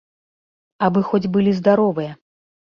Абы хоць былі здаровыя.